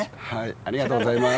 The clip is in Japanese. ありがとうございます。